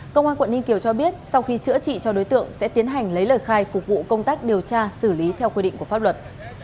công an quận ninh kiều cho biết sau khi chữa trị cho đối tượng sẽ tiến hành lấy lời khai phục vụ công tác điều tra xử lý theo quy định của pháp luật